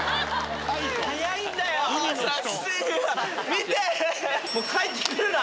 見て！